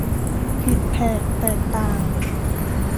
ผิดแผกแตกต่าง